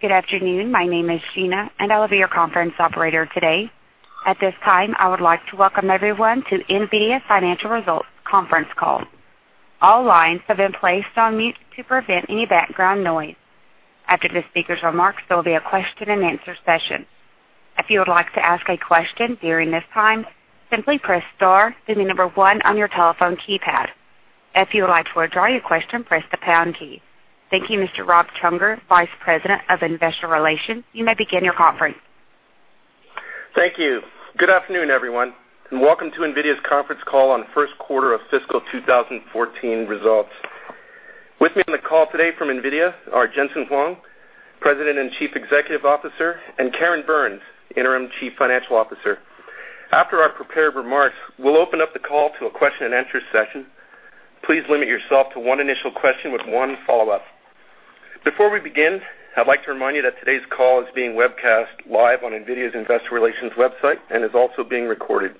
Good afternoon. My name is Gina, and I'll be your conference operator today. At this time, I would like to welcome everyone to NVIDIA Financial Results Conference Call. All lines have been placed on mute to prevent any background noise. After the speaker's remarks, there will be a question and answer session. If you would like to ask a question during this time, simply press star, then the number one on your telephone keypad. If you would like to withdraw your question, press the pound key. Thank you, Mr. Rob Csongor, Vice President of Investor Relations. You may begin your conference. Thank you. Good afternoon, everyone, and welcome to NVIDIA's conference call on first quarter of fiscal 2014 results. With me on the call today from NVIDIA are Jen-Hsun Huang, President and Chief Executive Officer, and Karen Burns, Interim Chief Financial Officer. After our prepared remarks, we'll open up the call to a question and answer session. Please limit yourself to one initial question with one follow-up. Before we begin, I'd like to remind you that today's call is being webcast live on NVIDIA's investor relations website and is also being recorded.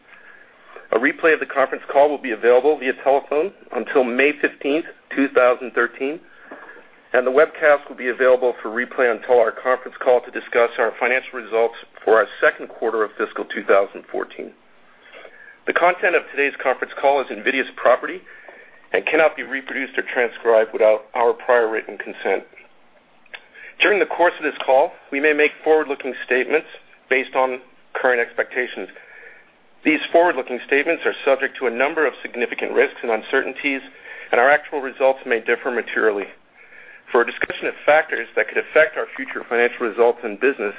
A replay of the conference call will be available via telephone until May 15th, 2013, and the webcast will be available for replay until our conference call to discuss our financial results for our second quarter of fiscal 2014. The content of today's conference call is NVIDIA's property and cannot be reproduced or transcribed without our prior written consent. During the course of this call, we may make forward-looking statements based on current expectations. These forward-looking statements are subject to a number of significant risks and uncertainties. Our actual results may differ materially. For a discussion of factors that could affect our future financial results and business,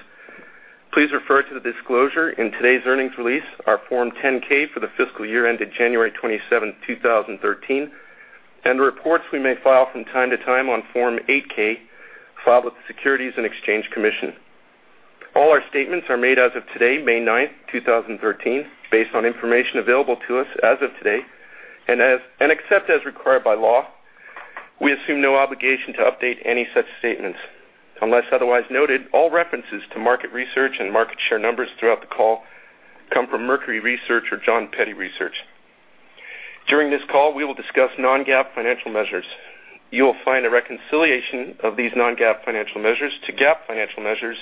please refer to the disclosure in today's earnings release, our Form 10-K for the fiscal year ended January 27, 2013, and the reports we may file from time to time on Form 8-K filed with the Securities and Exchange Commission. All our statements are made as of today, May 9th, 2013, based on information available to us as of today. Except as required by law, we assume no obligation to update any such statements. Unless otherwise noted, all references to market research and market share numbers throughout the call come from Mercury Research or Jon Peddie Research. During this call, we will discuss non-GAAP financial measures. You will find a reconciliation of these non-GAAP financial measures to GAAP financial measures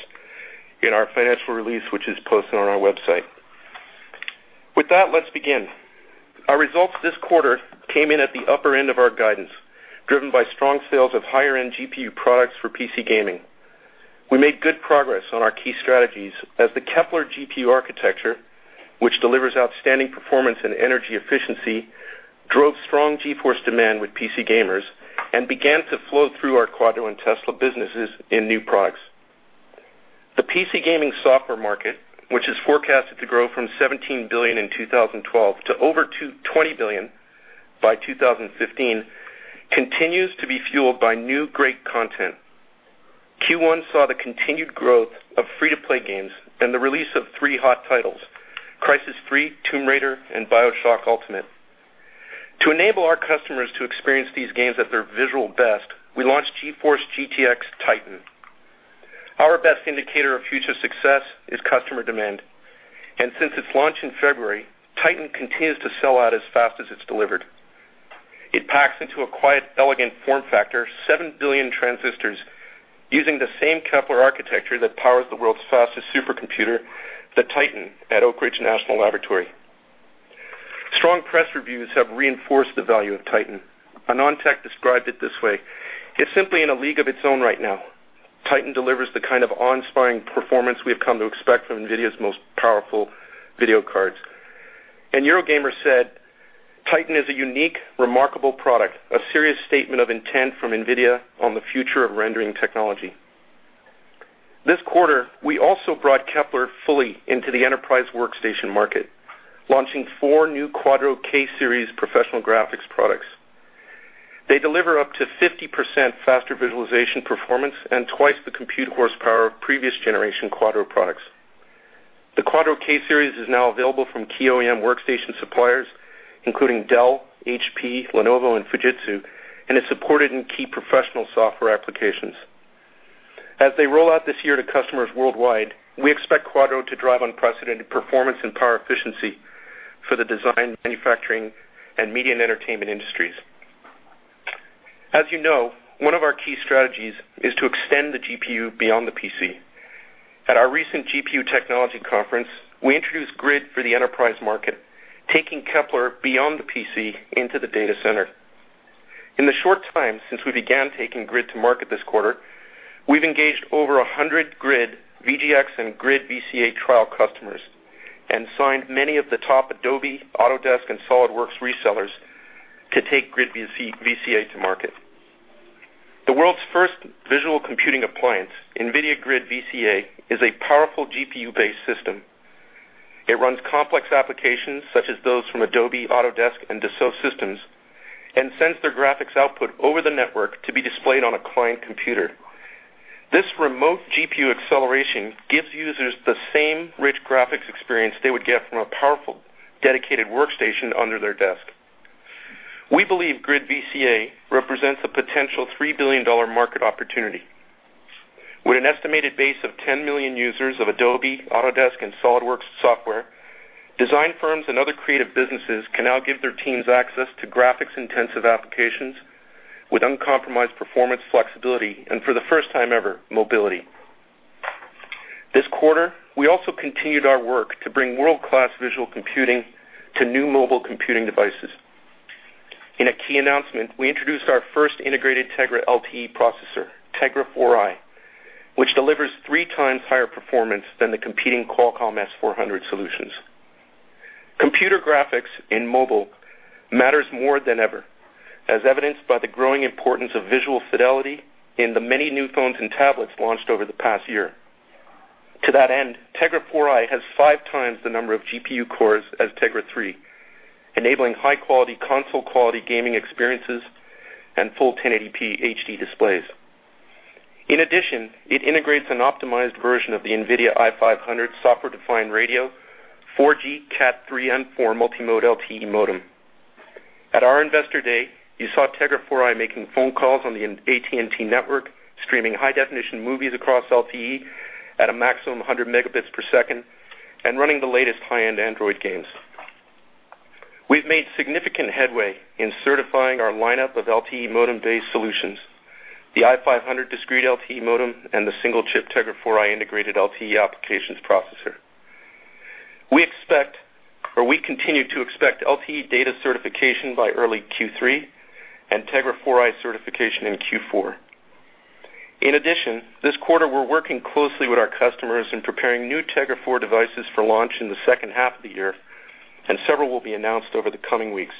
in our financial release, which is posted on our website. With that, let's begin. Our results this quarter came in at the upper end of our guidance, driven by strong sales of higher-end GPU products for PC gaming. We made good progress on our key strategies as the Kepler GPU architecture, which delivers outstanding performance and energy efficiency, drove strong GeForce demand with PC gamers and began to flow through our Quadro and Tesla businesses in new products. The PC gaming software market, which is forecasted to grow from $17 billion in 2012 to over $20 billion by 2015, continues to be fueled by new great content. Q1 saw the continued growth of free-to-play games and the release of three hot titles, "Crysis 3," "Tomb Raider," and "BioShock Infinite." To enable our customers to experience these games at their visual best, we launched GeForce GTX TITAN. Our best indicator of future success is customer demand. Since its launch in February, TITAN continues to sell out as fast as it's delivered. It packs into a quiet, elegant form factor, seven billion transistors using the same Kepler architecture that powers the world's fastest supercomputer, the TITAN, at Oak Ridge National Laboratory. Strong press reviews have reinforced the value of TITAN. AnandTech described it this way, "It's simply in a league of its own right now. TITAN delivers the kind of awe-inspiring performance we've come to expect from NVIDIA's most powerful video cards." Eurogamer said, "TITAN is a unique, remarkable product, a serious statement of intent from NVIDIA on the future of rendering technology." This quarter, we also brought Kepler fully into the enterprise workstation market, launching four new Quadro K-series professional graphics products. They deliver up to 50% faster visualization performance and twice the compute horsepower of previous generation Quadro products. The Quadro K-series is now available from key OEM workstation suppliers, including Dell, HP, Lenovo, and Fujitsu, and is supported in key professional software applications. As they roll out this year to customers worldwide, we expect Quadro to drive unprecedented performance and power efficiency for the design, manufacturing, and media and entertainment industries. As you know, one of our key strategies is to extend the GPU beyond the PC. At our recent GPU technology conference, we introduced GRID for the enterprise market, taking Kepler beyond the PC into the data center. In the short time since we began taking GRID to market this quarter, we've engaged over 100 GRID VGX and GRID VCA trial customers and signed many of the top Adobe, Autodesk, and SolidWorks resellers to take GRID VCA to market. The world's first visual computing appliance, NVIDIA GRID VCA, is a powerful GPU-based system. It runs complex applications such as those from Adobe, Autodesk, and Dassault Systèmes, and sends their graphics output over the network to be displayed on a client computer. This remote GPU acceleration gives users the same rich graphics experience they would get from a powerful, dedicated workstation under their desk. We believe GRID VCA represents a potential $3 billion market opportunity. With an estimated base of 10 million users of Adobe, Autodesk, and SolidWorks software Design firms and other creative businesses can now give their teams access to graphics-intensive applications with uncompromised performance flexibility, and for the first time ever, mobility. This quarter, we also continued our work to bring world-class visual computing to new mobile computing devices. In a key announcement, we introduced our first integrated Tegra LTE processor, Tegra 4i, which delivers three times higher performance than the competing Qualcomm S400 solutions. Computer graphics in mobile matters more than ever, as evidenced by the growing importance of visual fidelity in the many new phones and tablets launched over the past year. To that end, Tegra 4i has five times the number of GPU cores as Tegra 3, enabling high-quality, console-quality gaming experiences and full 1080p HD displays. In addition, it integrates an optimized version of the NVIDIA i500 software-defined radio 4G Cat 3 and 4 multi-mode LTE modem. At our Investor Day, you saw Tegra 4i making phone calls on the AT&T network, streaming high-definition movies across LTE at a maximum 100 Mbps, and running the latest high-end Android games. We've made significant headway in certifying our lineup of LTE modem-based solutions, the i500 discrete LTE modem, and the single-chip Tegra 4i integrated LTE applications processor. We continue to expect LTE data certification by early Q3 and Tegra 4i certification in Q4. In addition, this quarter, we're working closely with our customers in preparing new Tegra 4 devices for launch in the second half of the year, and several will be announced over the coming weeks.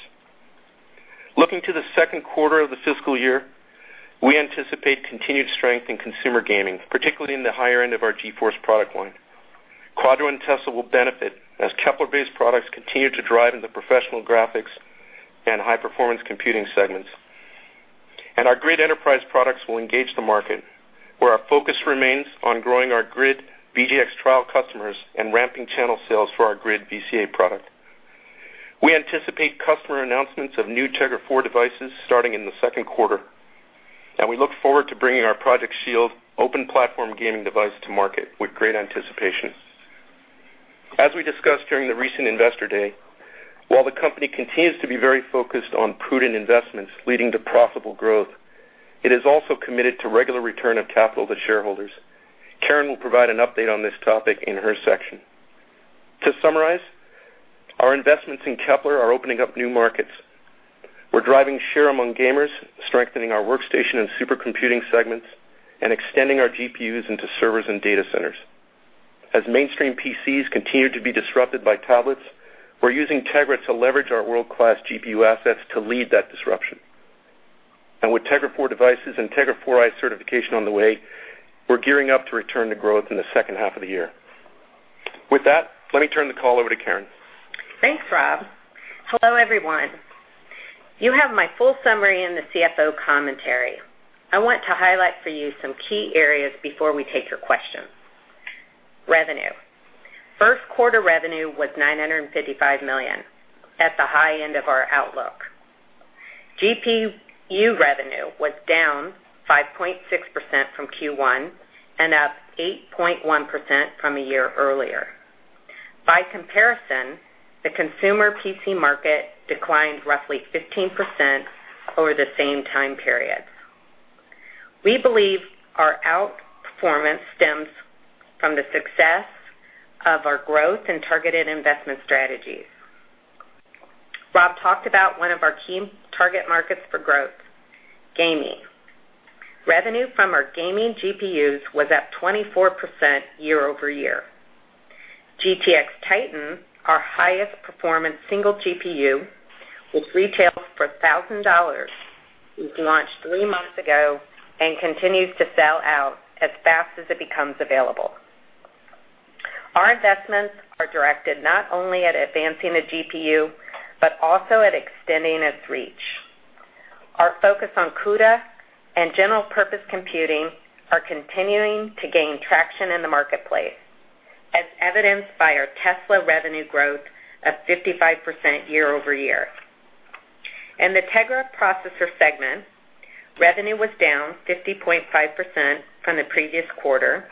Looking to the second quarter of the fiscal year, we anticipate continued strength in consumer gaming, particularly in the higher end of our GeForce product line. Quadro and Tesla will benefit as Kepler-based products continue to drive in the professional graphics and high-performance computing segments. Our GRID enterprise products will engage the market, where our focus remains on growing our GRID VGX trial customers and ramping channel sales for our GRID VCA product. We anticipate customer announcements of new Tegra 4 devices starting in the second quarter, and we look forward to bringing our Project SHIELD open platform gaming device to market with great anticipation. As we discussed during the recent Investor Day, while the company continues to be very focused on prudent investments leading to profitable growth, it is also committed to regular return of capital to shareholders. Karen will provide an update on this topic in her section. To summarize, our investments in Kepler are opening up new markets. We're driving share among gamers, strengthening our workstation and supercomputing segments, and extending our GPUs into servers and data centers. As mainstream PCs continue to be disrupted by tablets, we're using Tegra to leverage our world-class GPU assets to lead that disruption. With Tegra 4 devices and Tegra 4i certification on the way, we're gearing up to return to growth in the second half of the year. With that, let me turn the call over to Karen. Thanks, Rob. Hello, everyone. You have my full summary in the CFO commentary. I want to highlight for you some key areas before we take your questions. Revenue. First quarter revenue was $955 million, at the high end of our outlook. GPU revenue was down 5.6% from Q1 and up 8.1% from a year earlier. By comparison, the consumer PC market declined roughly 15% over the same time period. We believe our outperformance stems from the success of our growth and targeted investment strategies. Rob talked about one of our key target markets for growth, gaming. Revenue from our gaming GPUs was up 24% year-over-year. GTX Titan, our highest performance single GPU, which retails for $1,000, was launched three months ago and continues to sell out as fast as it becomes available. Our investments are directed not only at advancing the GPU but also at extending its reach. Our focus on CUDA and general purpose computing are continuing to gain traction in the marketplace, as evidenced by our Tesla revenue growth of 55% year-over-year. In the Tegra processor segment, revenue was down 50.5% from the previous quarter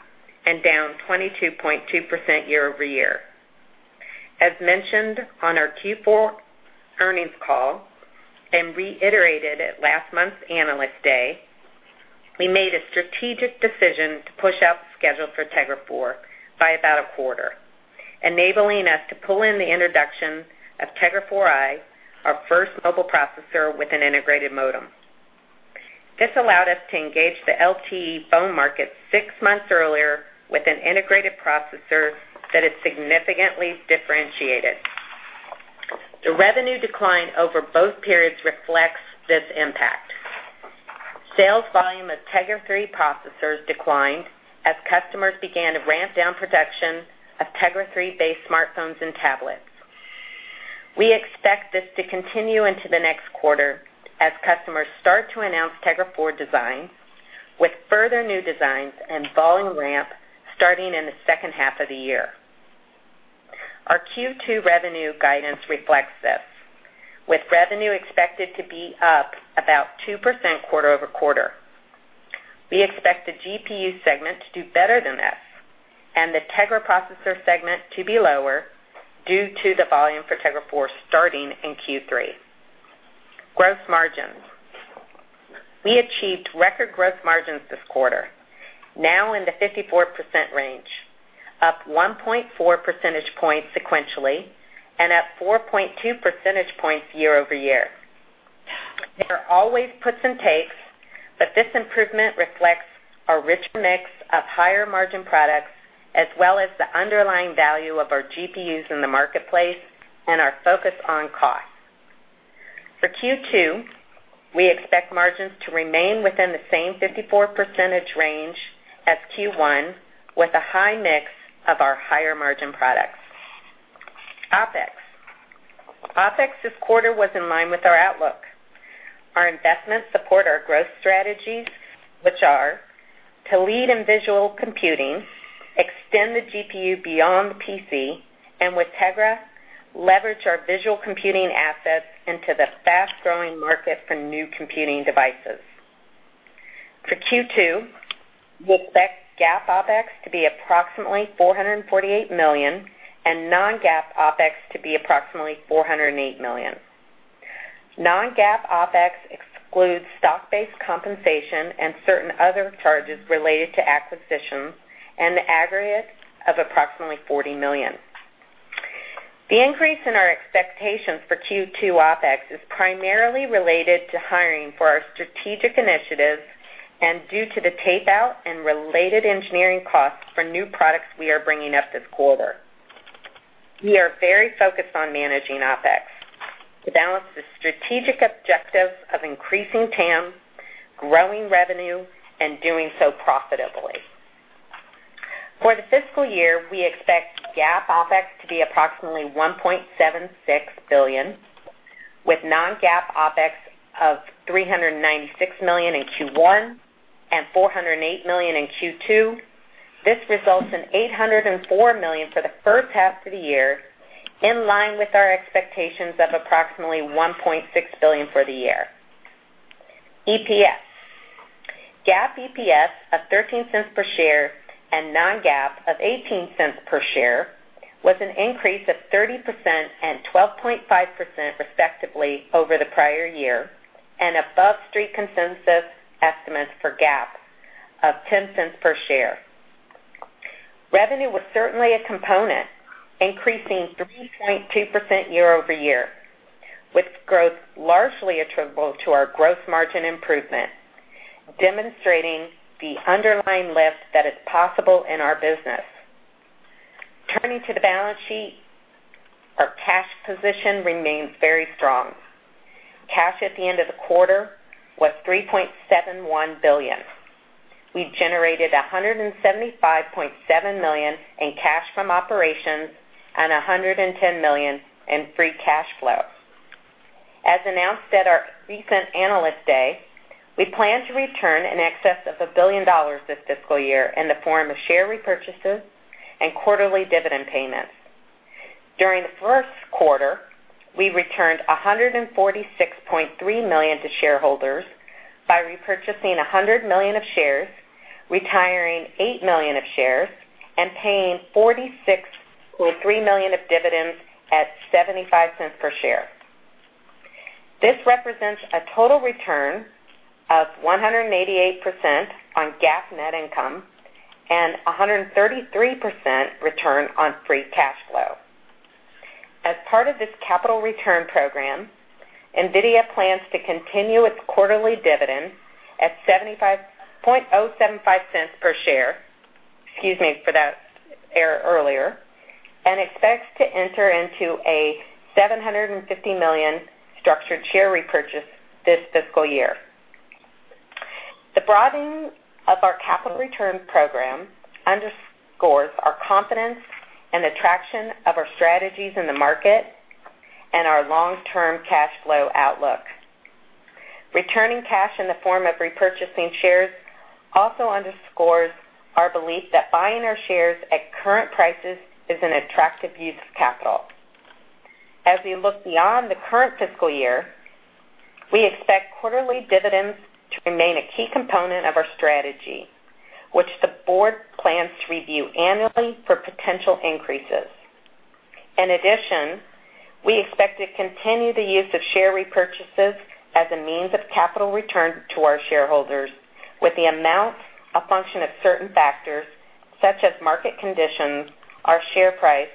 and down 22.2% year-over-year. As mentioned on our Q4 earnings call and reiterated at last month's Analyst Day, we made a strategic decision to push out the schedule for Tegra 4 by about a quarter, enabling us to pull in the introduction of Tegra 4i, our first mobile processor with an integrated modem. This allowed us to engage the LTE phone market six months earlier with an integrated processor that is significantly differentiated. The revenue decline over both periods reflects this impact. Sales volume of Tegra 3 processors declined as customers began to ramp down production of Tegra 3-based smartphones and tablets. We expect this to continue into the next quarter as customers start to announce Tegra 4 design, with further new designs and volume ramp starting in the second half of the year. Our Q2 revenue guidance reflects this, with revenue expected to be up about 2% quarter-over-quarter. We expect the GPU segment to do better than this, and the Tegra processor segment to be lower due to the volume for Tegra 4 starting in Q3. Gross margins. We achieved record gross margins this quarter, now in the 54% range, up 1.4 percentage points sequentially and up 4.2 percentage points year-over-year. There are always puts and takes, but this improvement reflects our richer mix of higher margin products as well as the underlying value of our GPUs in the marketplace and our focus on cost. For Q2, we expect margins to remain within the same 54% range as Q1, with a high mix of our higher margin products. OpEx. OpEx this quarter was in line with our outlook. Our investments support our growth strategies, which are to lead in visual computing, extend the GPU beyond PC, and with Tegra, leverage our visual computing assets into the fast-growing market for new computing devices. For Q2, we expect GAAP OpEx to be approximately $448 million and non-GAAP OpEx to be approximately $408 million. Non-GAAP OpEx excludes stock-based compensation and certain other charges related to acquisitions in the aggregate of approximately $40 million. The increase in our expectations for Q2 OpEx is primarily related to hiring for our strategic initiatives and due to the tape-out and related engineering costs for new products we are bringing up this quarter. We are very focused on managing OpEx to balance the strategic objective of increasing TAM, growing revenue, and doing so profitably. For the fiscal year, we expect GAAP OpEx to be approximately $1.76 billion, with non-GAAP OpEx of $396 million in Q1 and $408 million in Q2. This results in $804 million for the first half of the year, in line with our expectations of approximately $1.6 billion for the year. EPS. GAAP EPS of $0.13 per share and non-GAAP of $0.18 per share was an increase of 30% and 12.5% respectively over the prior year, and above Street consensus estimates for GAAP of $0.10 per share. Revenue was certainly a component, increasing 3.2% year-over-year, with growth largely attributable to our gross margin improvement, demonstrating the underlying lift that is possible in our business. Turning to the balance sheet, our cash position remains very strong. Cash at the end of the quarter was $3.71 billion. We generated $175.7 million in cash from operations and $110 million in free cash flow. As announced at our recent Analyst Day, we plan to return in excess of $1 billion this fiscal year in the form of share repurchases and quarterly dividend payments. During the first quarter, we returned $146.3 million to shareholders by repurchasing $100 million of shares, retiring eight million of shares, and paying $46.3 million of dividends at $0.75 per share. This represents a total return of 188% on GAAP net income and 133% return on free cash flow. As part of this capital return program, NVIDIA plans to continue its quarterly dividend at $0.75075 per share, excuse me for that error earlier, and expects to enter into a $750 million structured share repurchase this fiscal year. The broadening of our capital return program underscores our confidence and attraction of our strategies in the market and our long-term cash flow outlook. Returning cash in the form of repurchasing shares also underscores our belief that buying our shares at current prices is an attractive use of capital. As we look beyond the current fiscal year, we expect quarterly dividends to remain a key component of our strategy, which the board plans to review annually for potential increases. We expect to continue the use of share repurchases as a means of capital return to our shareholders, with the amount a function of certain factors such as market conditions, our share price,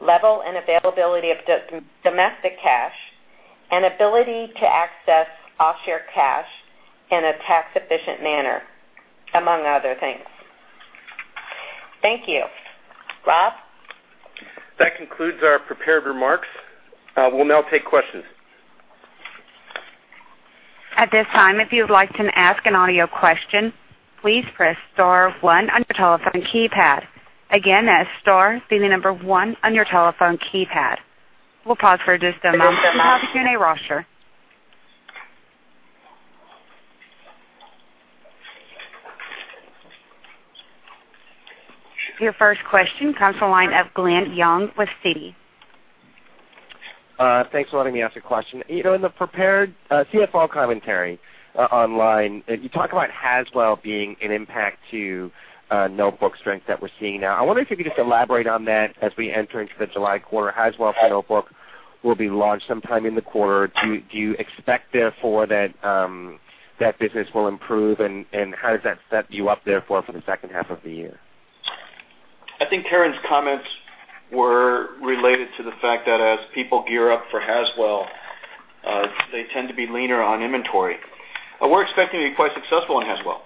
level and availability of domestic cash, and ability to access offshore cash in a tax-efficient manner, among other things. Thank you. Rob? That concludes our prepared remarks. We'll now take questions. At this time, if you would like to ask an audio question, please press star one on your telephone keypad. Again, that's star, then the number one on your telephone keypad. We'll pause for just a moment while we queue our roster. Your first question comes from the line of Glen Yeung with Citi. Thanks for letting me ask a question. In the prepared CFO commentary online, you talk about Haswell being an impact to notebook strength that we're seeing now. I wonder if you could just elaborate on that as we enter into the July quarter. Haswell for notebook will be launched sometime in the quarter. Do you expect therefore that business will improve? How does that set you up therefore for the second half of the year? I think Karen's comments were related to the fact that as people gear up for Haswell, they tend to be leaner on inventory. We're expecting to be quite successful in Haswell,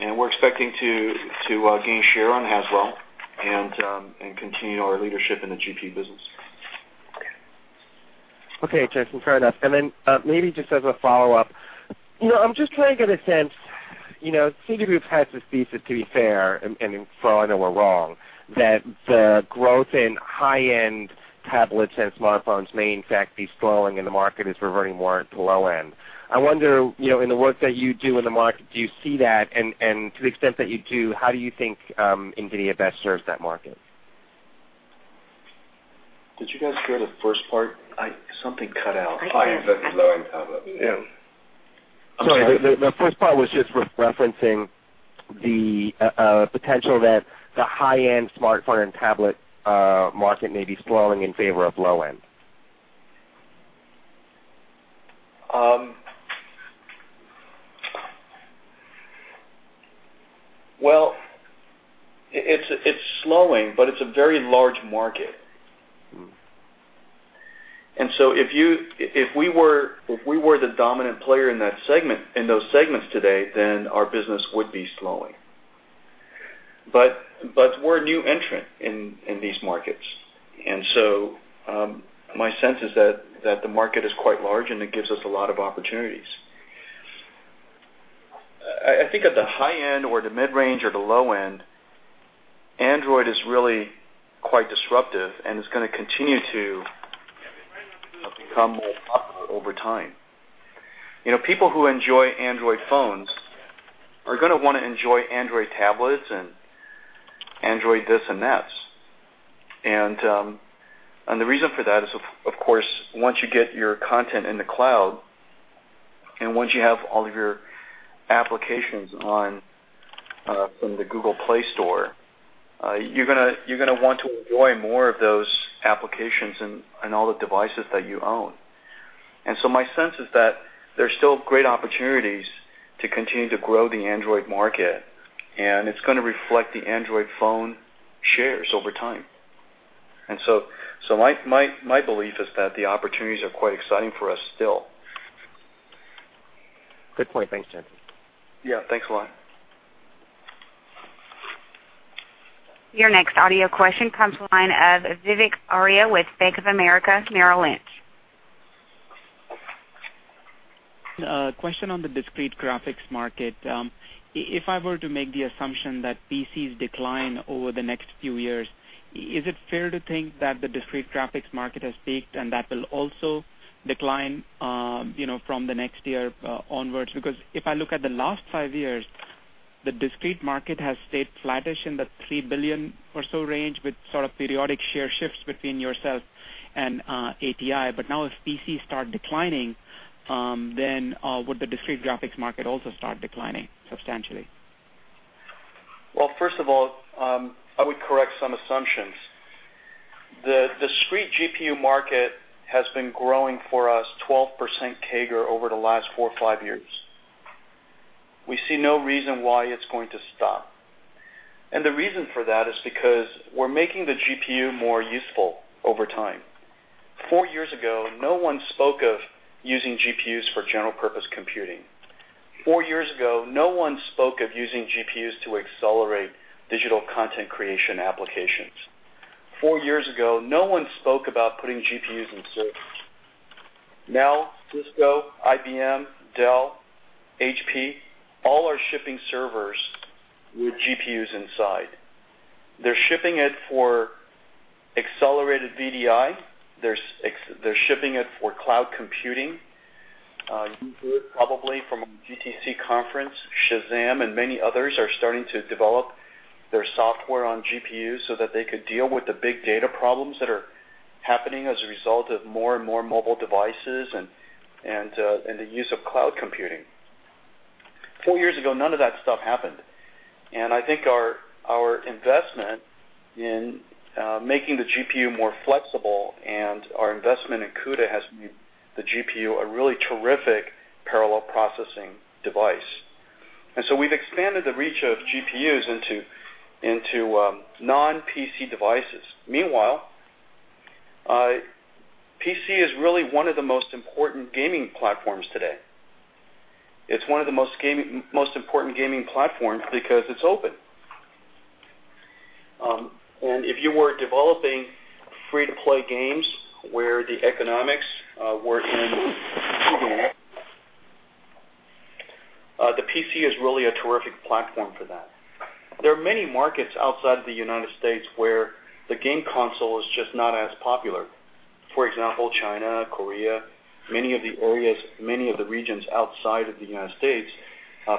and we're expecting to gain share on Haswell and continue our leadership in the GPU business. Okay, Jen-Hsun, fair enough. Then maybe just as a follow-up, I'm just trying to get a sense. Citi Group has this thesis, to be fair, and for all I know we're wrong, that the growth in high-end tablets and smartphones may in fact be slowing and the market is reverting more to low-end. I wonder, in the work that you do in the market, do you see that? To the extent that you do, how do you think NVIDIA best serves that market? Did you guys hear the first part? Something cut out. High-end versus low-end tablet. Yeah. Sorry, the first part was just referencing the potential that the high-end smartphone and tablet market may be slowing in favor of low-end. Well, it's slowing, but it's a very large market. If we were the dominant player in those segments today, then our business would be slowing. We're a new entrant in these markets. My sense is that the market is quite large, and it gives us a lot of opportunities. I think at the high end or the mid-range or the low end, Android is really quite disruptive, and it's going to continue to become more popular over time. People who enjoy Android phones are going to want to enjoy Android tablets and Android this and that's. The reason for that is, of course, once you get your content in the cloud, and once you have all of your applications from the Google Play Store, you're going to want to enjoy more of those applications on all the devices that you own. My sense is that there's still great opportunities to continue to grow the Android market, and it's going to reflect the Android phone shares over time. My belief is that the opportunities are quite exciting for us still. Good point. Thanks, Jen-Hsun. Yeah. Thanks a lot. Your next audio question comes from the line of Vivek Arya with Bank of America Merrill Lynch. A question on the discrete graphics market. If I were to make the assumption that PCs decline over the next few years, is it fair to think that the discrete graphics market has peaked and that will also decline from the next year onwards? If I look at the last five years, the discrete market has stayed flattish in the $3 billion or so range with sort of periodic share shifts between yourself and AMD. Now if PCs start declining, would the discrete graphics market also start declining substantially? Well, first of all, I would correct some assumptions. The discrete GPU market has been growing for us 12% CAGR over the last four or five years. We see no reason why it's going to stop. The reason for that is because we're making the GPU more useful over time. Four years ago, no one spoke of using GPUs for general purpose computing. Four years ago, no one spoke of using GPUs to accelerate digital content creation applications. Four years ago, no one spoke about putting GPUs in servers. Now, Cisco, IBM, Dell, HP, all are shipping servers with GPUs inside. They're shipping it for accelerated VDI. They're shipping it for cloud computing. You heard probably from GTC Conference, Shazam and many others are starting to develop their software on GPUs so that they could deal with the big data problems that are happening as a result of more and more mobile devices and the use of cloud computing. Four years ago, none of that stuff happened. I think our investment in making the GPU more flexible and our investment in CUDA has made the GPU a really terrific parallel processing device. We've expanded the reach of GPUs into non-PC devices. Meanwhile, PC is really one of the most important gaming platforms today. It's one of the most important gaming platforms because it's open. If you were developing free-to-play games where the economics were in the PC is really a terrific platform for that. There are many markets outside of the U.S. where the game console is just not as popular. For example, China, Korea, many of the areas, many of the regions outside of the U.S.,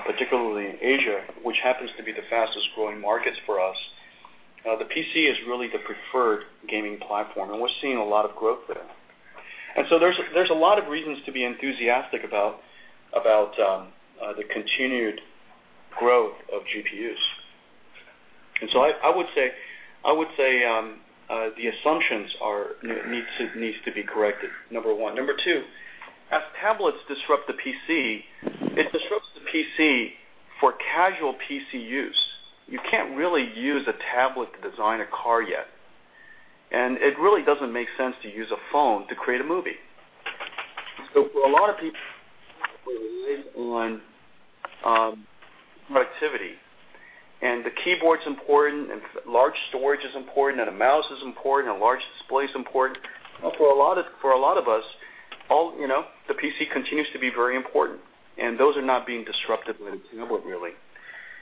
particularly in Asia, which happens to be the fastest-growing markets for us, the PC is really the preferred gaming platform, and we're seeing a lot of growth there. There's a lot of reasons to be enthusiastic about the continued growth of GPUs. I would say, the assumptions needs to be corrected, number one. Number two, as tablets disrupt the PC, it disrupts the PC for casual PC use. You can't really use a tablet to design a car yet, and it really doesn't make sense to use a phone to create a movie. For a lot of people rely on productivity, the keyboard's important, large storage is important, a mouse is important, and a large display is important. For a lot of us, the PC continues to be very important, and those are not being disrupted with a tablet, really.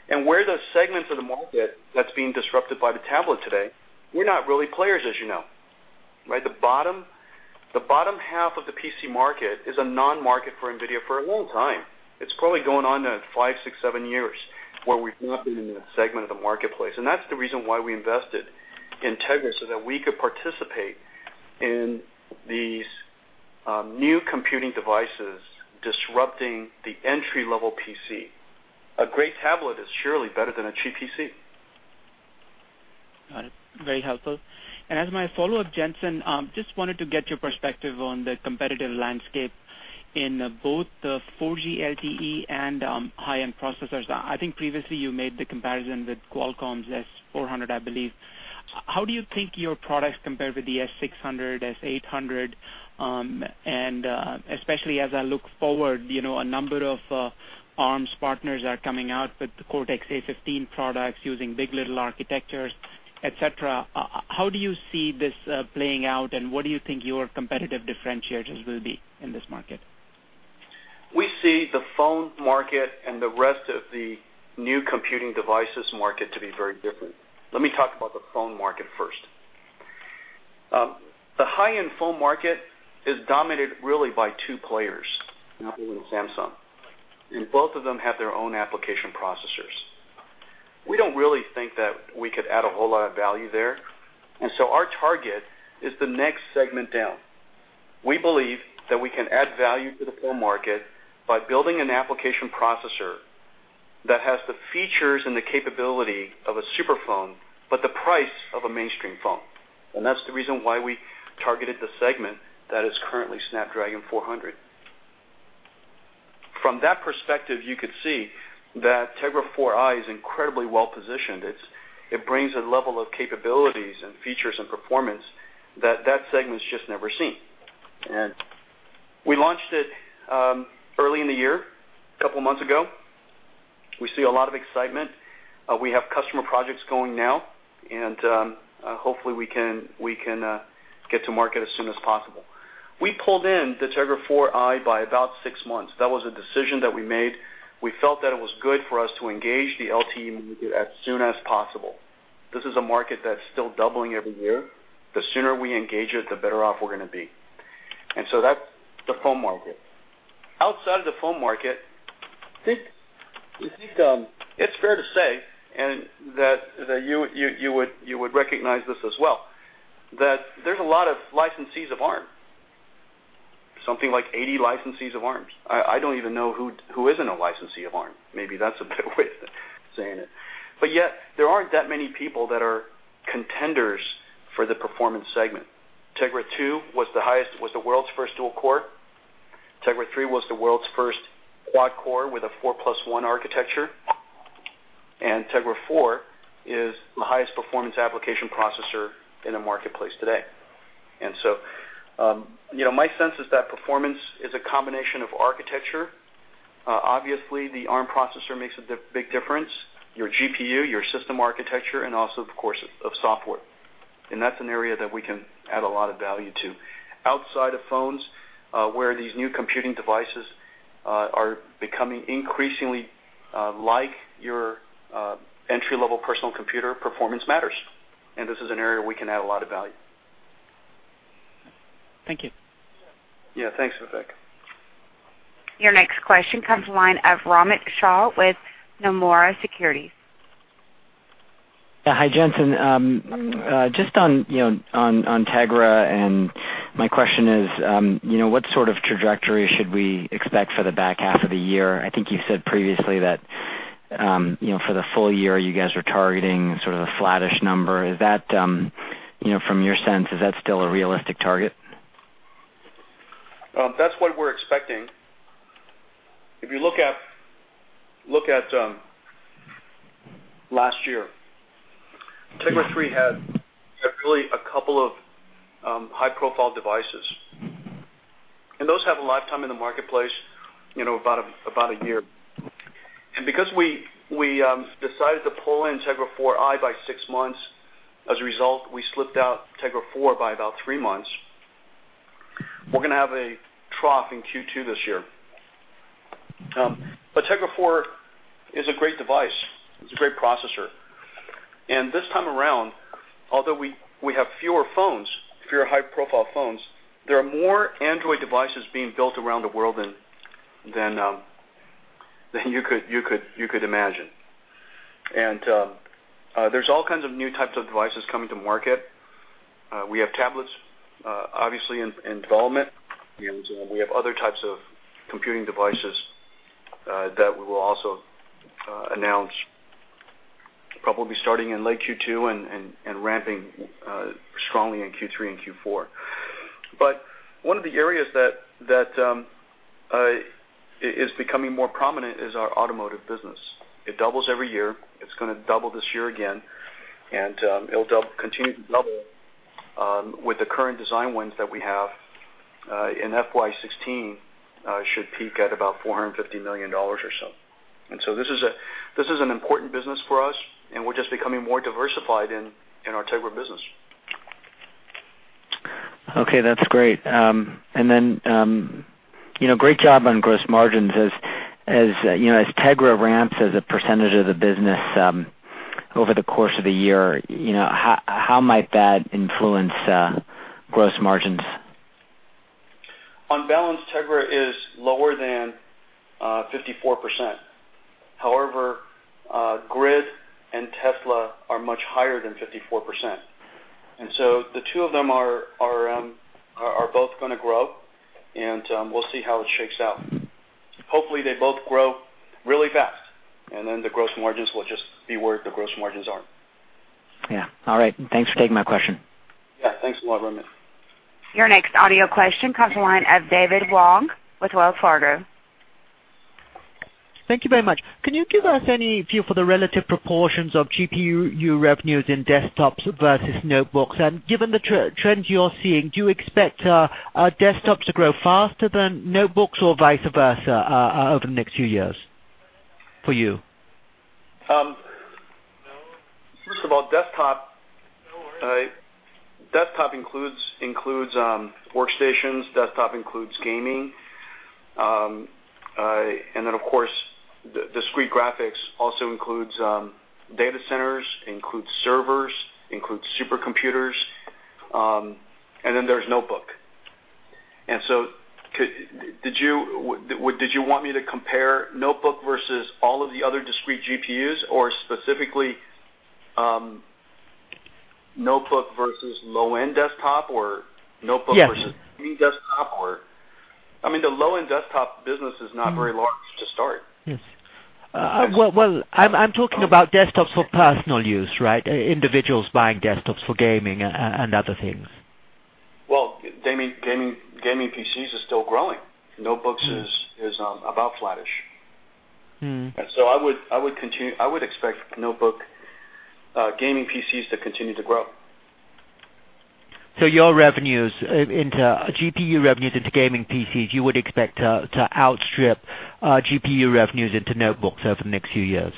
Where the segments of the market that's being disrupted by the tablet today, we're not really players, as you know. The bottom half of the PC market is a non-market for NVIDIA for a long time. It's probably going on five, six, seven years where we've not been in a segment of the marketplace, and that's the reason why we invested in Tegra so that we could participate in these new computing devices disrupting the entry-level PC. A great tablet is surely better than a cheap PC. Got it. Very helpful. As my follow-up, Jen-Hsun, just wanted to get your perspective on the competitive landscape in both the 4G LTE and high-end processors. I think previously you made the comparison with Qualcomm's S400, I believe. How do you think your products compare with the S600, S800, and especially as I look forward, a number of Arm partners are coming out with Cortex-A15 products using big. LITTLE architectures, et cetera. How do you see this playing out, and what do you think your competitive differentiators will be in this market? We see the phone market and the rest of the new computing devices market to be very different. Let me talk about the phone market first. The high-end phone market is dominated really by two players, Apple and Samsung, and both of them have their own application processors. We don't really think that we could add a whole lot of value there. Our target is the next segment down. We believe that we can add value to the phone market by building an application processor that has the features and the capability of a super phone, but the price of a mainstream phone. That's the reason why we targeted the segment that is currently Snapdragon 400. From that perspective, you could see that Tegra 4i is incredibly well-positioned. It brings a level of capabilities and features and performance that that segment's just never seen. We launched it early in the year, a couple of months ago. We see a lot of excitement. We have customer projects going now, and hopefully, we can get to market as soon as possible. We pulled in the Tegra 4i by about six months. That was a decision that we made. We felt that it was good for us to engage the LTE market as soon as possible. This is a market that's still doubling every year. The sooner we engage it, the better off we're going to be. That's the phone market. Outside of the phone market, I think it's fair to say that you would recognize this as well, that there's a lot of licensees of Arm, something like 80 licensees of Arm. I don't even know who isn't a licensee of Arm. Maybe that's a better way of saying it. Yet, there aren't that many people that are contenders for the performance segment. Tegra 2 was the world's first dual core. Tegra 3 was the world's first quad core with a four plus one architecture. Tegra 4 is the highest performance application processor in the marketplace today. So, my sense is that performance is a combination of architecture. Obviously, the Arm processor makes a big difference, your GPU, your system architecture, and also, of course, of software. That's an area that we can add a lot of value to. Outside of phones, where these new computing devices are becoming increasingly like your entry-level personal computer, performance matters, and this is an area we can add a lot of value. Thank you. Yeah, thanks, Vivek. Your next question comes the line of Romit Shah with Nomura Securities. Hi, Jen-Hsun. Just on Tegra, my question is, what sort of trajectory should we expect for the back half of the year? I think you said previously that for the full year, you guys are targeting sort of a flattish number. From your sense, is that still a realistic target? That's what we're expecting. If you look at last year, Tegra 3 had really a couple of high-profile devices, and those have a lifetime in the marketplace, about a year. Because we decided to pull in Tegra 4i by six months, as a result, we slipped out Tegra 4 by about three months. We're going to have a trough in Q2 this year. Tegra 4 is a great device. It's a great processor. This time around, although we have fewer high-profile phones, there are more Android devices being built around the world than you could imagine. There's all kinds of new types of devices coming to market. We have tablets obviously in development, and we have other types of computing devices that we will also announce probably starting in late Q2 and ramping strongly in Q3 and Q4. One of the areas that is becoming more prominent is our automotive business. It doubles every year. It's going to double this year again, it'll continue to double with the current design wins that we have, in FY 2016, should peak at about $450 million or so. This is an important business for us, and we're just becoming more diversified in our Tegra business. Okay, that's great. Great job on gross margins. As Tegra ramps as a percentage of the business over the course of the year, how might that influence gross margins? On balance, Tegra is lower than 54%. However, GRID and Tesla are much higher than 54%. The two of them are both going to grow, and we'll see how it shakes out. Hopefully, they both grow really fast, and then the gross margins will just be where the gross margins are. Yeah. All right. Thanks for taking my question. Yeah. Thanks a lot, Romit. Your next audio question comes from the line of David Wong with Wells Fargo. Thank you very much. Can you give us any view for the relative proportions of GPU revenues in desktops versus notebooks? Given the trends you're seeing, do you expect desktops to grow faster than notebooks or vice versa over the next few years for you? First of all, desktop includes workstations, desktop includes gaming, of course, discrete graphics also includes data centers, includes servers, includes supercomputers, there's notebook. Did you want me to compare notebook versus all of the other discrete GPUs or specifically notebook versus low-end desktop or notebook- Yes versus gaming desktop or The low-end desktop business is not very large to start. Yes. Well, I'm talking about desktops for personal use, right? Individuals buying desktops for gaming and other things. Well, gaming PCs is still growing. Notebooks is about flattish. I would expect notebook gaming PCs to continue to grow. Your revenues into GPU revenues into gaming PCs, you would expect to outstrip GPU revenues into notebooks over the next few years?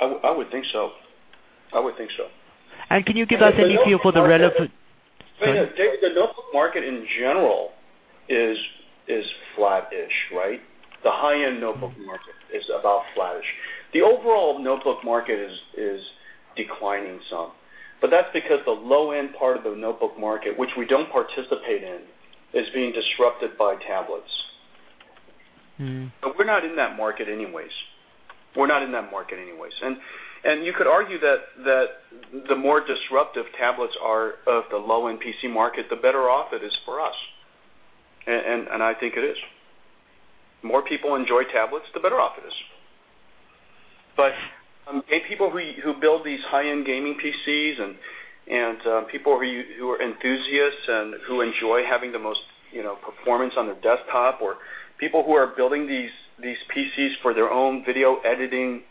I would think so. Can you give us any view for the relevant The notebook market, in general, is flattish, right? The high-end notebook market is about flattish. The overall notebook market is declining some, but that's because the low-end part of the notebook market, which we don't participate in, is being disrupted by tablets. We're not in that market anyways. You could argue that the more disruptive tablets are of the low-end PC market, the better off it is for us. I think it is. More people enjoy tablets, the better off it is. People who build these high-end gaming PCs and people who are enthusiasts and who enjoy having the most performance on their desktop or people who are building these PCs for their own video editing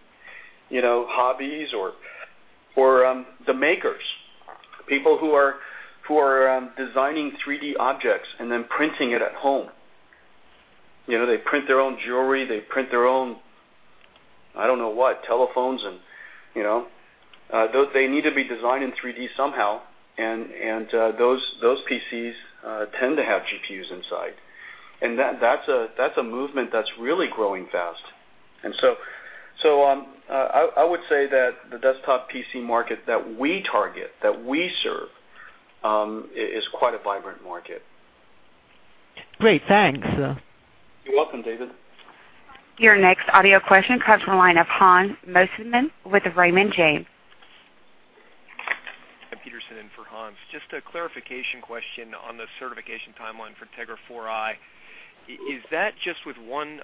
hobbies or the makers, people who are designing 3D objects and then printing it at home. They print their own jewelry, they print their own, I don't know what, telephones and they need to be designed in 3D somehow, and those PCs tend to have GPUs inside. That's a movement that's really growing fast. I would say that the desktop PC market that we target, that we serve, is quite a vibrant market. Great. Thanks. You're welcome, David. Your next audio question comes from the line of Hans Mosesmann with Raymond James. For Jen-Hsun Huang and for Hans. Just a clarification question on the certification timeline for Tegra 4i. Is that just with one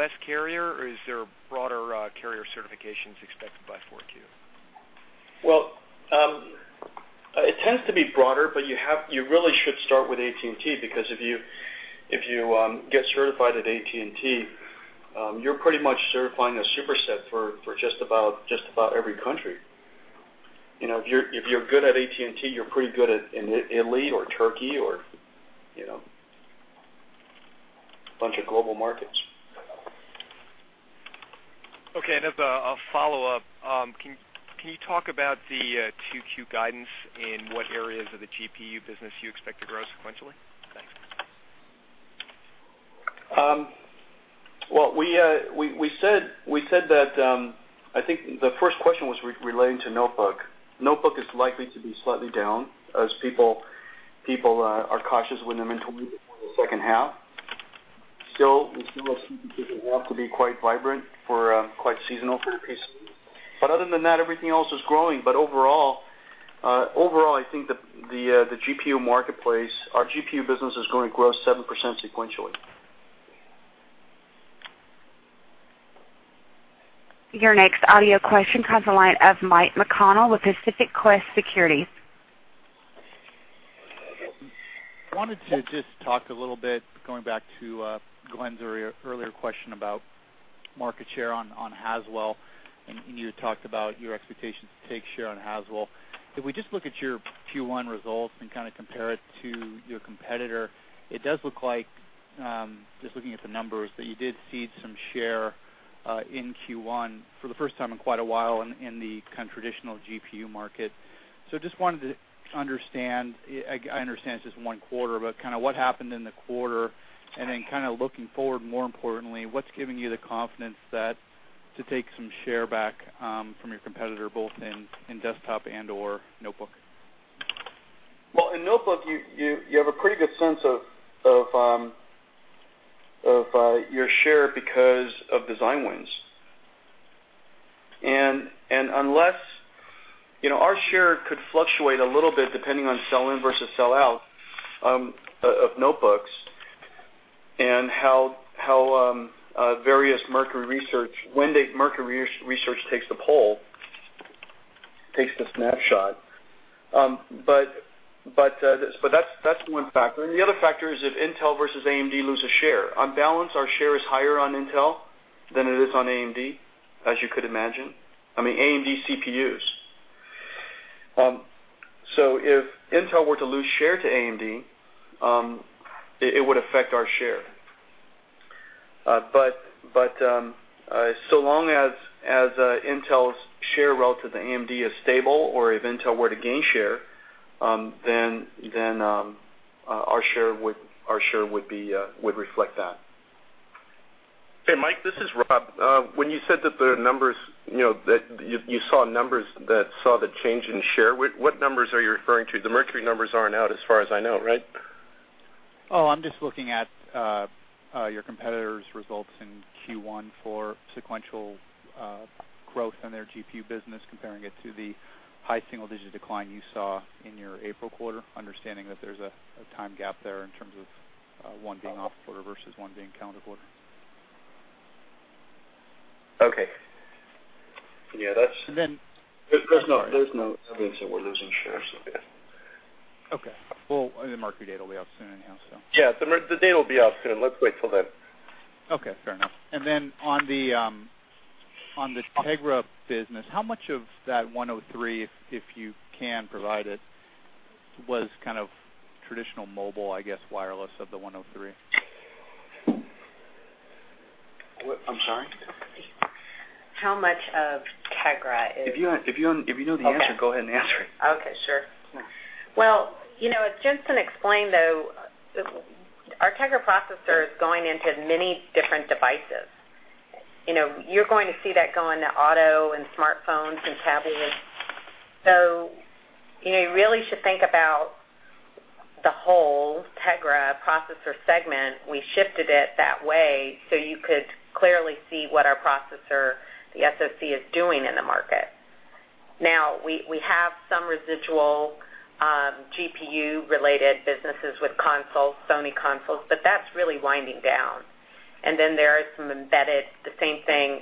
U.S. carrier, or is there broader carrier certifications expected by 4Q? Well, it tends to be broader. You really should start with AT&T because if you get certified at AT&T, you're pretty much certifying a superset for just about every country. If you're good at AT&T, you're pretty good at in Italy or Turkey or a bunch of global markets. Okay, as a follow-up, can you talk about the 2Q guidance and what areas of the GPU business you expect to grow sequentially? Thanks. Well, we said that, I think the first question was relating to notebook. Notebook is likely to be slightly down as people are cautious with their inventory before the second half. Still, we see the second half to be quite vibrant for quite seasonal PCs. Other than that, everything else is growing. Overall, I think the GPU marketplace, our GPU business is going to grow 7% sequentially. Your next audio question comes the line of Mike McConnell with Pacific Crest Securities. I wanted to just talk a little bit, going back to Glen's earlier question about market share on Haswell, and you had talked about your expectations to take share on Haswell. If we just look at your Q1 results and compare it to your competitor, it does look like, just looking at the numbers, that you did cede some share in Q1 for the first time in quite a while in the traditional GPU market. I just wanted to understand, I understand it's just one quarter, but what happened in the quarter, and looking forward, more importantly, what's giving you the confidence to take some share back from your competitor, both in desktop and/or notebook? In notebook, you have a pretty good sense of your share because of design wins. Our share could fluctuate a little bit depending on sell in versus sell out of notebooks and when Mercury Research takes the poll, takes the snapshot. That's one factor, and the other factor is if Intel versus AMD loses share. On balance, our share is higher on Intel than it is on AMD, as you could imagine, AMD CPUs. If Intel were to lose share to AMD, it would affect our share. Long as Intel's share relative to AMD is stable, or if Intel were to gain share, our share would reflect that. Hey, Mike, this is Rob. When you said that you saw numbers that saw the change in share, what numbers are you referring to? The Mercury numbers aren't out as far as I know, right? I'm just looking at your competitor's results in Q1 for sequential growth in their GPU business, comparing it to the high single-digit decline you saw in your April quarter, understanding that there's a time gap there in terms of one being off quarter versus one being calendar quarter. Okay. Yeah, that's Then There's no evidence that we're losing shares there. Okay. Well, the Mercury data will be out soon anyhow. Yeah, the data will be out soon. Let's wait till then. On the Tegra business, how much of that 103, if you can provide it, was traditional mobile, I guess, wireless of the 103? I'm sorry? How much of Tegra is? If you know the answer, go ahead and answer it. Okay, sure. Well, as Jen-Hsun explained, our Tegra processor is going into many different devices. You're going to see that go into auto and smartphones and tablets. You really should think about the whole Tegra processor segment. We shifted it that way so you could clearly see what our processor, the SoC, is doing in the market. We have some residual GPU-related businesses with consoles, Sony consoles, but that's really winding down. Then there are some embedded, the same thing.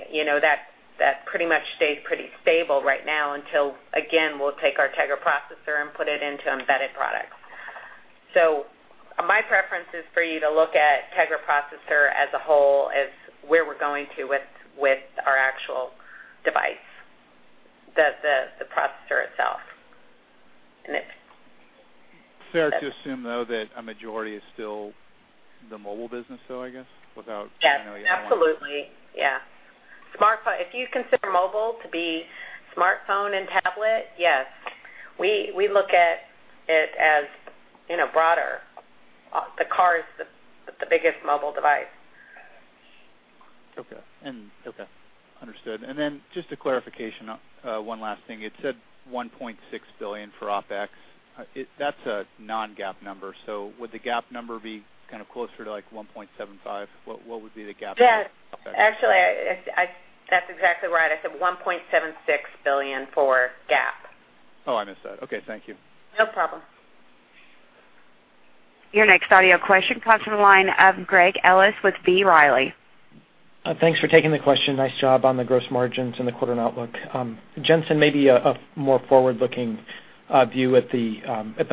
That pretty much stays pretty stable right now until, again, we'll take our Tegra processor and put it into embedded products. My preference is for you to look at Tegra processor as a whole as where we're going to with our actual device, the processor itself. And if Fair to assume, though, that a majority is still the mobile business, though, I guess? Without generally Yes, absolutely. Yeah. If you consider mobile to be smartphone and tablet, yes. We look at it as broader. The car is the biggest mobile device. Okay. Understood. Just a clarification, one last thing. It said $1.6 billion for OpEx. That's a non-GAAP number, so would the GAAP number be closer to $1.75? What would be the GAAP number? Yes. Actually, that's exactly right. I said $1.76 billion for GAAP. Oh, I missed that. Okay, thank you. No problem. Your next audio question comes from the line of Craig Ellis with B. Riley. Thanks for taking the question. Nice job on the gross margins and the quarter outlook. Jen-Hsun, maybe a more forward-looking view at the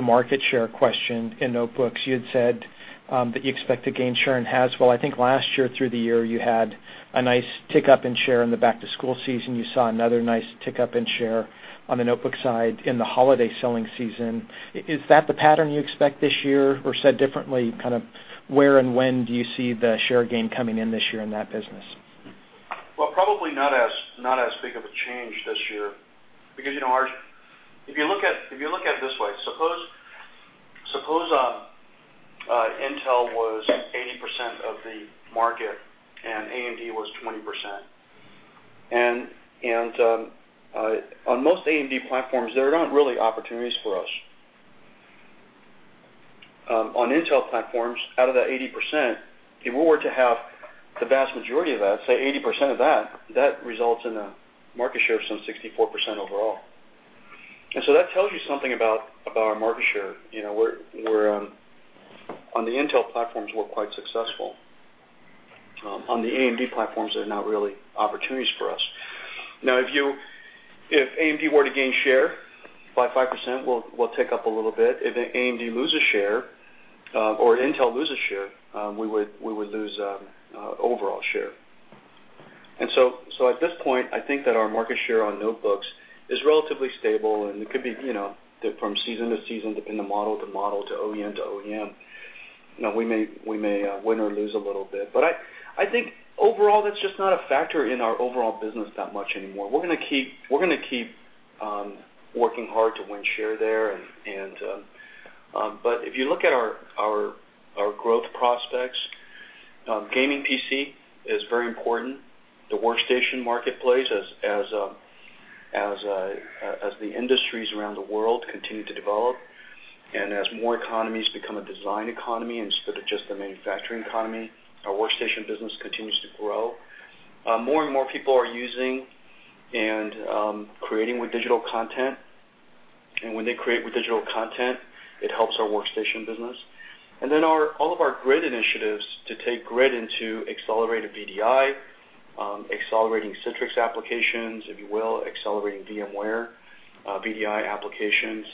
market share question in notebooks. You had said that you expect to gain share in Haswell. I think last year through the year, you had a nice tick up in share in the back-to-school season. You saw another nice tick up in share on the notebook side in the holiday selling season. Is that the pattern you expect this year? Said differently, where and when do you see the share gain coming in this year in that business? Well, probably not as big of a change this year because, Harsh, if you look at it this way, suppose Intel was 80% of the market and AMD was 20%. On most AMD platforms, there are not really opportunities for us. On Intel platforms, out of that 80%, if we were to have the vast majority of that, say 80% of that results in a market share of some 64% overall. That tells you something about our market share. On the Intel platforms, we're quite successful. On the AMD platforms, they're not really opportunities for us. Now, if AMD were to gain share by 5%, we'll tick up a little bit. If AMD loses share or Intel loses share, we would lose overall share. At this point, I think that our market share on notebooks is relatively stable, and it could be from season to season, depending model to model, to OEM to OEM. We may win or lose a little bit. I think overall, that's just not a factor in our overall business that much anymore. We're going to keep working hard to win share there. If you look at our growth prospects, gaming PC is very important. The workstation marketplace, as the industries around the world continue to develop and as more economies become a design economy instead of just a manufacturing economy, our workstation business continues to grow. More and more people are using and creating with digital content, and when they create with digital content, it helps our workstation business. All of our GRID initiatives to take GRID into accelerated VDI, accelerating Citrix applications, if you will, accelerating VMware VDI applications,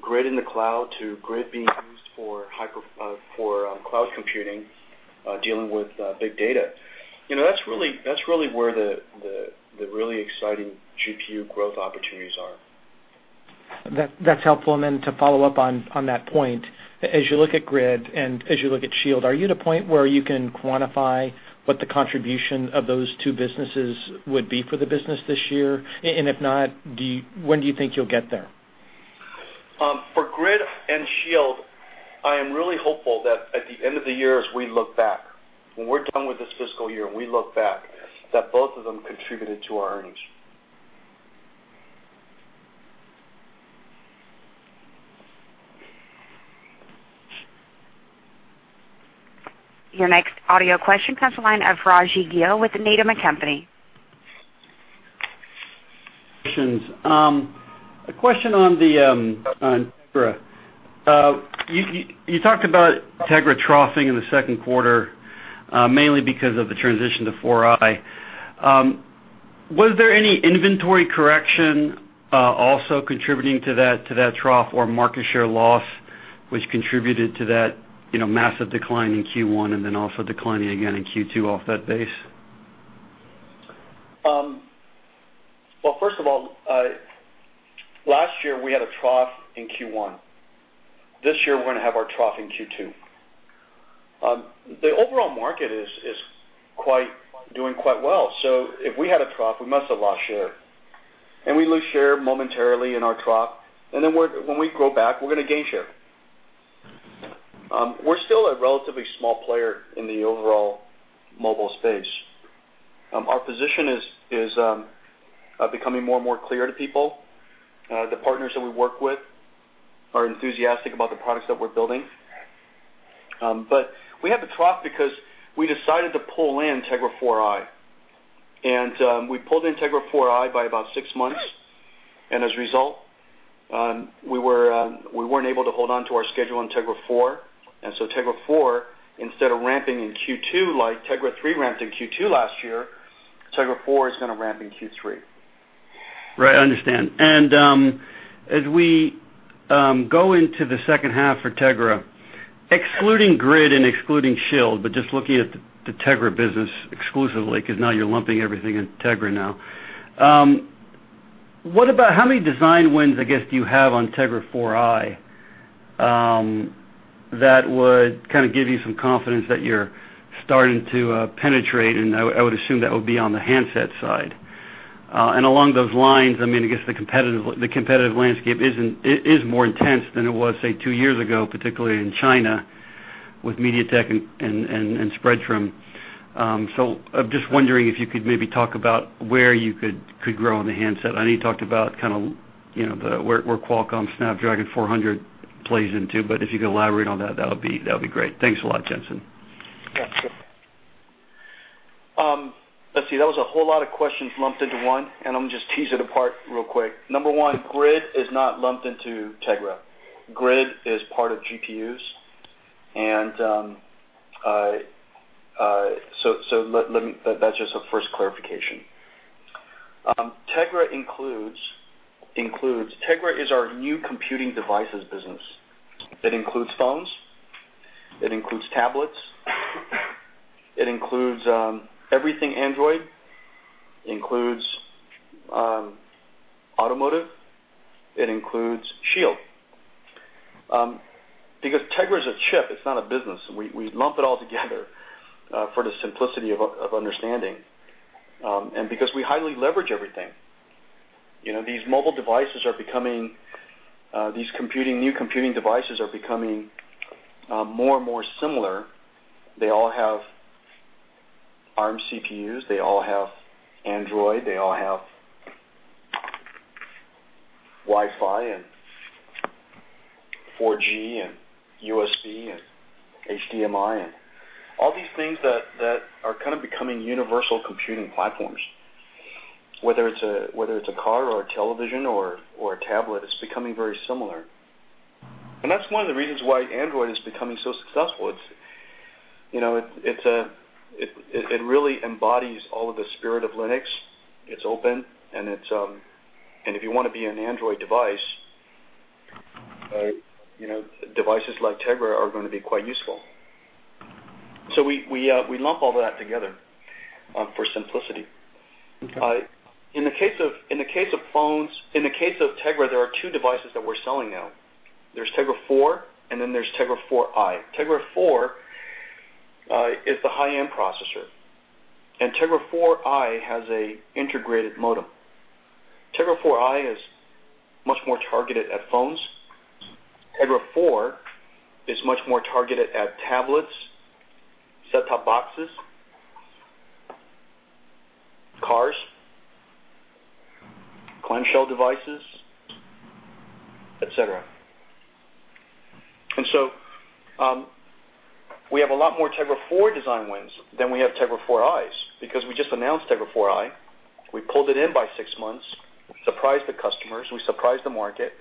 GRID in the cloud to GRID being used for cloud computing, dealing with big data. That's really where the really exciting GPU growth opportunities are. That's helpful. To follow up on that point, as you look at GRID and as you look at SHIELD, are you at a point where you can quantify what the contribution of those two businesses would be for the business this year? If not, when do you think you'll get there? For GRID and SHIELD, I am really hopeful that at the end of the year, as we look back, when we're done with this fiscal year, we look back that both of them contributed to our earnings. Your next audio question comes the line of Raji Gill with Needham & Company. A question on Tegra. You talked about Tegra troughing in the second quarter, mainly because of the transition to Tegra 4i. Was there any inventory correction also contributing to that trough or market share loss which contributed to that massive decline in Q1 and then also declining again in Q2 off that base? Well, first of all, last year we had a trough in Q1. This year we're going to have our trough in Q2. The overall market is doing quite well. If we had a trough, we must have lost share. We lose share momentarily in our trough, then when we grow back, we're going to gain share. We're still a relatively small player in the overall mobile space. Our position is becoming more and more clear to people. The partners that we work with are enthusiastic about the products that we're building. We had the trough because we decided to pull in Tegra 4i, we pulled in Tegra 4i by about six months, as a result, we weren't able to hold onto our schedule on Tegra 4. Tegra 4, instead of ramping in Q2 like Tegra 3 ramped in Q2 last year, Tegra 4 is going to ramp in Q3. Right. I understand. As we go into the second half for Tegra, excluding Grid and excluding Shield, just looking at the Tegra business exclusively, because now you're lumping everything in Tegra now. How many design wins, I guess, do you have on Tegra 4i, that would give you some confidence that you're starting to penetrate, I would assume that would be on the handset side. Along those lines, I guess the competitive landscape is more intense than it was, say, two years ago, particularly in China with MediaTek and Spreadtrum. I'm just wondering if you could maybe talk about where you could grow on the handset. I know you talked about where Qualcomm Snapdragon 400 plays into, but if you could elaborate on that would be great. Thanks a lot, Jen-Hsun. Yeah, sure. Let's see, that was a whole lot of questions lumped into one. I'm going to just tease it apart real quick. Number one, GRID is not lumped into Tegra. GRID is part of GPUs. That's just a first clarification. Tegra is our new computing devices business. It includes phones, it includes tablets, it includes everything Android. It includes automotive, it includes SHIELD. Because Tegra is a chip, it's not a business. We lump it all together for the simplicity of understanding and because we highly leverage everything. These new computing devices are becoming more and more similar. They all have ARM CPUs, they all have Android, they all have Wi-Fi and 4G and USB and HDMI and all these things that are becoming universal computing platforms. Whether it's a car or a television or a tablet, it's becoming very similar. That's one of the reasons why Android is becoming so successful. It really embodies all of the spirit of Linux. It's open, and if you want to be an Android device, devices like Tegra are going to be quite useful. We lump all that together for simplicity. Okay. In the case of Tegra, there are two devices that we're selling now. There's Tegra 4, and then there's Tegra 4i. Tegra 4 is the high-end processor, and Tegra 4i has an integrated modem. Tegra 4i is much more targeted at phones. Tegra 4 is much more targeted at tablets, set-top boxes, cars, clamshell devices, et cetera. We have a lot more Tegra 4 design wins than we have Tegra 4is because we just announced Tegra 4i. We pulled it in by six months, surprised the customers, we surprised the market,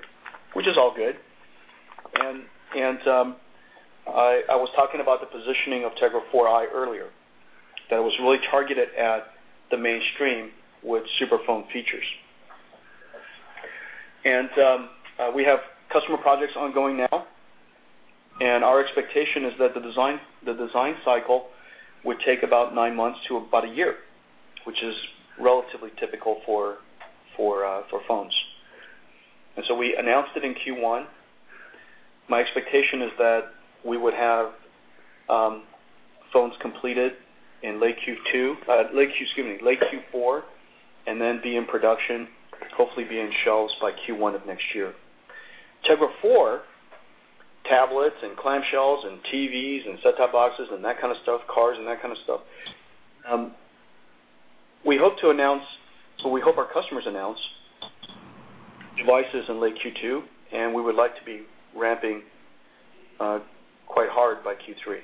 which is all good. I was talking about the positioning of Tegra 4i earlier, that it was really targeted at the mainstream with super phone features. We have customer projects ongoing now, and our expectation is that the design cycle would take about nine months to about a year, which is relatively typical for phones. We announced it in Q1. My expectation is that we would have phones completed in late Q4, and then be in production, hopefully be in shelves by Q1 of next year. Tegra 4, tablets and clamshells and TVs and set-top boxes and that kind of stuff, cars and that kind of stuff, we hope our customers announce devices in late Q2, and we would like to be ramping quite hard by Q3.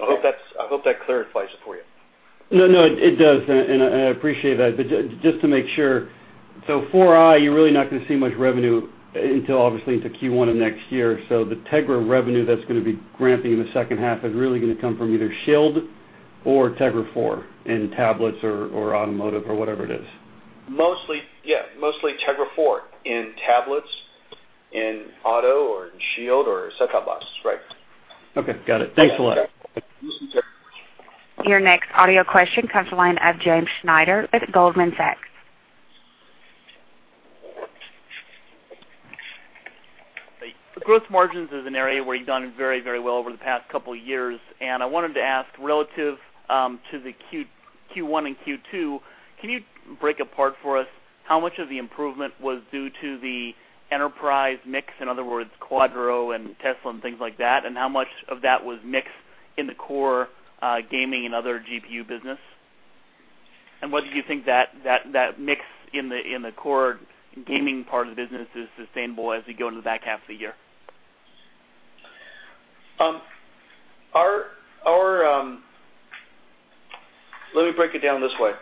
I hope that clarifies it for you. No, it does, and I appreciate that. Just to make sure, 4i, you're really not going to see much revenue until, obviously, into Q1 of next year. The Tegra revenue that's going to be ramping in the second half is really going to come from either SHIELD or Tegra 4 in tablets or automotive or whatever it is. Mostly, yeah. Mostly Tegra 4 in tablets, in auto or in SHIELD or set-top box. Right. Okay, got it. Thanks a lot. Yes, sir. Your next audio question comes the line of James Schneider at Goldman Sachs. Hey. The gross margins is an area where you've done very well over the past couple of years, I wanted to ask relative to the Q1 and Q2, can you break apart for us how much of the improvement was due to the enterprise mix, in other words, Quadro and Tesla and things like that, and how much of that was mixed in the core gaming and other GPU business? Whether you think that mix in the core gaming part of the business is sustainable as we go into the back half of the year. Let me break it down this way.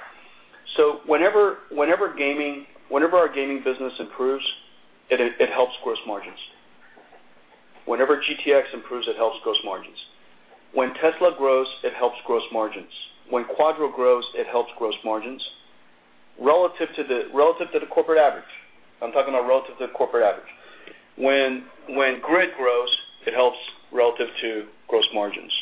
Whenever our gaming business improves, it helps gross margins. Whenever GTX improves, it helps gross margins. When Tesla grows, it helps gross margins. When Quadro grows, it helps gross margins relative to the corporate average. I'm talking about relative to corporate average. When Grid grows, it helps relative to gross margins.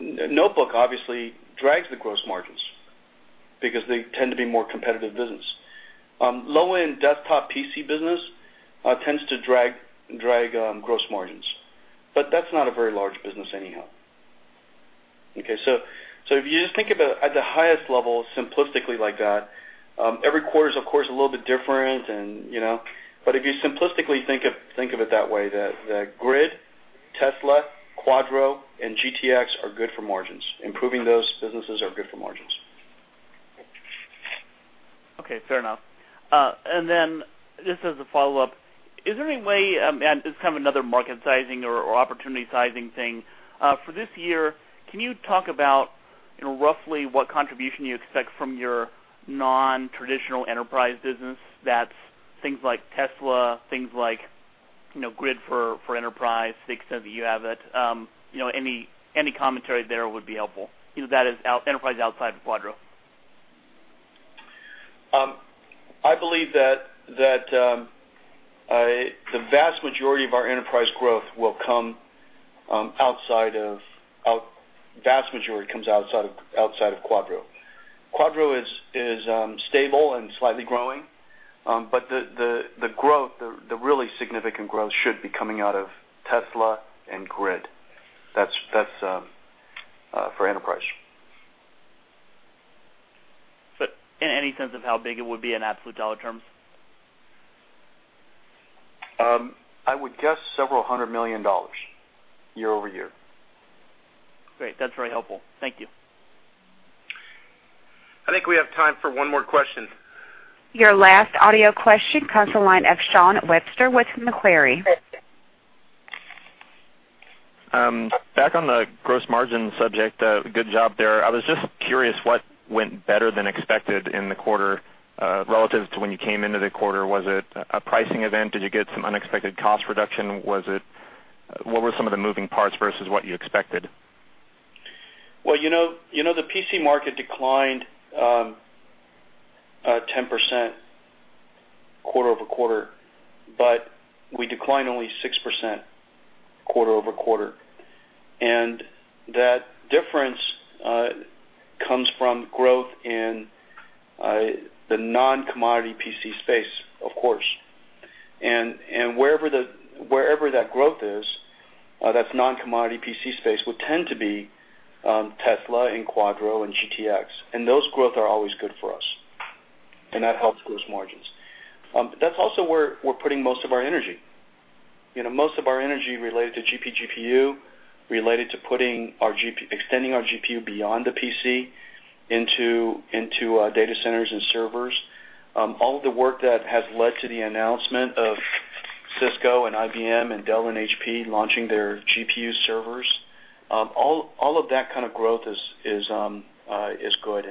Notebook obviously drags the gross margins because they tend to be more competitive business. Low-end desktop PC business tends to drag gross margins. That's not a very large business anyhow. Okay, if you just think at the highest level simplistically like that, every quarter is, of course, a little bit different. If you simplistically think of it that way, that Grid, Tesla, Quadro, and GTX are good for margins. Improving those businesses are good for margins. Okay. Fair enough. Then just as a follow-up, is there any way, and it's kind of another market sizing or opportunity sizing thing. For this year, can you talk about roughly what contribution you expect from your non-traditional enterprise business that's things like Tesla, things like Grid for enterprise, the extent that you have it. Any commentary there would be helpful. That is enterprise outside of Quadro. I believe that the vast majority of our enterprise growth will come outside of Quadro. Quadro is stable and slightly growing. The really significant growth should be coming out of Tesla and GRID. That's for enterprise. Any sense of how big it would be in absolute dollar terms? I would guess several hundred million dollars year-over-year. Great. That's very helpful. Thank you. I think we have time for one more question. Your last audio question comes from the line of Shawn Webster with Macquarie. Back on the gross margin subject, good job there. I was just curious what went better than expected in the quarter relative to when you came into the quarter. Was it a pricing event? Did you get some unexpected cost reduction? What were some of the moving parts versus what you expected? Well, the PC market declined 10% quarter-over-quarter, but we declined only 6% quarter-over-quarter. That difference comes from growth in the non-commodity PC space, of course. Wherever that growth is, that's non-commodity PC space, would tend to be Tesla and Quadro and GTX, and those growth are always good for us. That helps gross margins. That's also where we're putting most of our energy. Most of our energy related to GPGPU, related to extending our GPU beyond the PC into data centers and servers. All of the work that has led to the announcement of Cisco and IBM and Dell and HP launching their GPU servers, all of that kind of growth is good.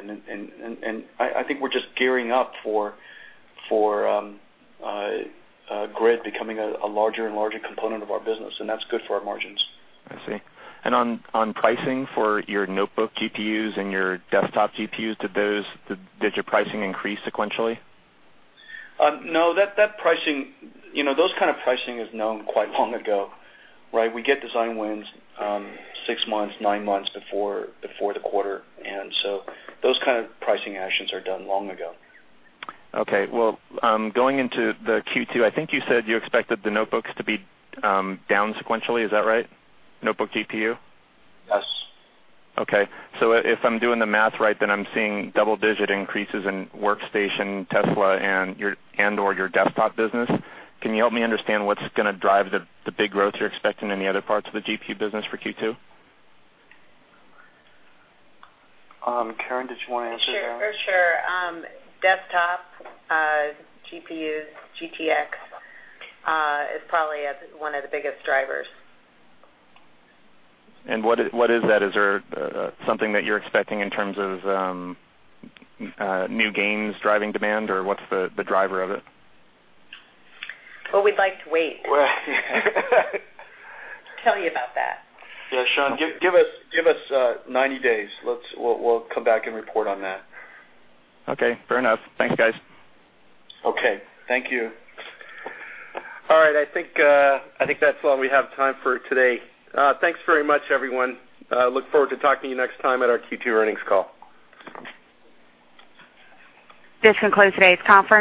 I think we're just gearing up for GRID becoming a larger and larger component of our business, and that's good for our margins. On pricing for your notebook GPUs and your desktop GPUs, did your pricing increase sequentially? No. Those kind of pricing is known quite long ago, right? We get design wins six months, nine months before the quarter, those kind of pricing actions are done long ago. Okay. Well, going into the Q2, I think you said you expected the notebooks to be down sequentially. Is that right? Notebook GPU? Yes. Okay. If I'm doing the math right, I'm seeing double-digit increases in workstation, Tesla, and/or your desktop business. Can you help me understand what's going to drive the big growth you're expecting in the other parts of the GPU business for Q2? Karen, did you want to answer that? Sure. Desktop GPUs, GTX, is probably one of the biggest drivers. What is that? Is there something that you're expecting in terms of new games driving demand, or what's the driver of it? Well, we'd like to tell you about that. Yeah. Shawn, give us 90 days. We'll come back and report on that. Okay, fair enough. Thanks, guys. Okay, thank you. All right. I think that's all we have time for today. Thanks very much, everyone. Look forward to talking to you next time at our Q2 earnings call. This concludes today's conference.